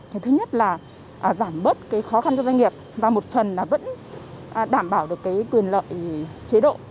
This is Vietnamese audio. cái thứ nhất là giảm bớt cái khó khăn cho doanh nghiệp và một phần là vẫn đảm bảo được cái quyền lợi chế độ